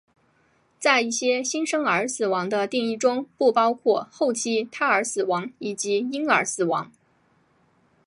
在一些新生儿死亡的定义中不包括后期胎儿死亡以及婴儿死亡。